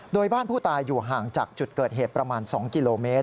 โดยบ้านผู้ตายอยู่ห่างจากจุดเกิดเหตุประมาณ๒กิโลเมตร